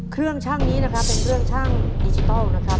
ช่างนี้นะครับเป็นเครื่องชั่งดิจิทัลนะครับ